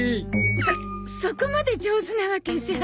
そそこまで上手なわけじゃ。